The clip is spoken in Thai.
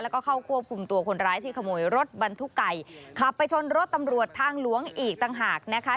แล้วก็เข้าควบคุมตัวคนร้ายที่ขโมยรถบรรทุกไก่ขับไปชนรถตำรวจทางหลวงอีกต่างหากนะคะ